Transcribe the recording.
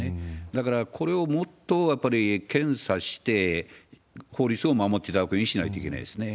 だから、これをもっとやっぱり検査して、法律を守っていただくようにしないといけないですよね。